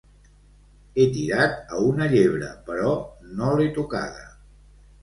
He tirat a una llebre, però no l'he tocada.